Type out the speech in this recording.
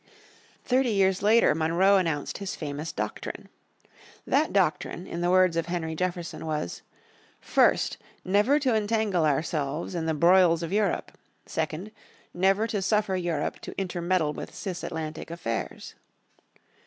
Thirty years later Monroe announced his famous Doctrine. That Doctrine in the words of Henry Jefferson was, "First, never to entangle ourselves in the broils of Europe; second, never to suffer Europe to intermeddle with cis Atlantic affairs."